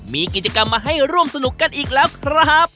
มีกิจกรรมมาให้ร่วมสนุกกันอีกแล้วครับ